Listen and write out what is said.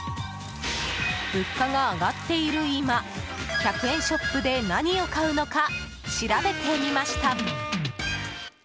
物価が上がっている今１００円ショップで何を買うのか調べてみました。